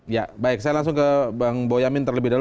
ya baik saya langsung ke bang boyamin terlebih dahulu